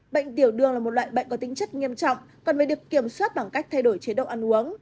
bệnh tiểu đường là một loại bệnh có tính chất nghiêm trọng cần phải được kiểm soát bằng cách thay đổi chế độ ăn uống